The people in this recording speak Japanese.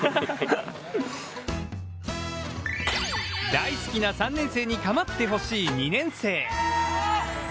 大好きな３年生に構ってほしい２年生。